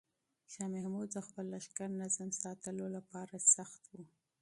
شاه محمود د خپل لښکر نظم ساتلو لپاره سخت و.